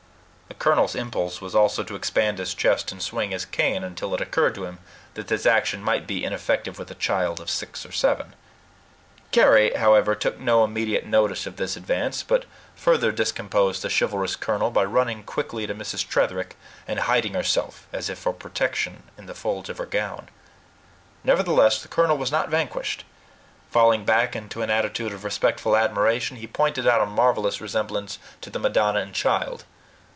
The colonel's impulse also was to expand his chest and swing his cane, until it occurred to him that this action might be ineffective with a child of six or seven. Carry, however, took no immediate notice of this advance, but further discomposed the chivalrous colonel by running quickly to Mrs. Tretherick and hiding herself, as if for protection, in the folds of her gown. Nevertheless, the colonel was not vanquished. Falling back into an attitude of respectful admiration, he pointed out a marvelous resemblance to the "Madonna and Child."